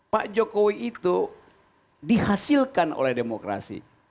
pak jokowi itu dihasilkan oleh demokrasi